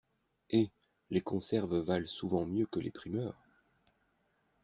Hé ! les conserves valent souvent mieux que les primeurs !